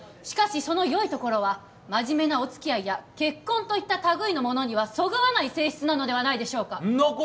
しかしその良いところは真面目なお付き合いや結婚といった類いのものにはそぐわない性質なのではないでしょうかんな